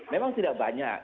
memang tidak banyak